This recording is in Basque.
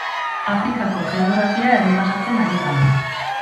Afrikako geografia errepasatzen ari gara.